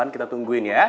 kita tungguin ya